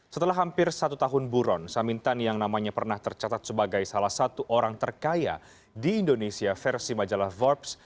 setelah hampir satu tahun buron samintan yang namanya pernah tercatat sebagai salah satu orang terkaya di indonesia versi majalah forbes